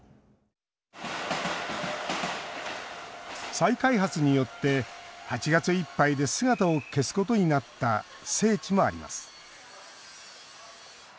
再開発によって８月いっぱいで姿を消すことになった聖地もあります。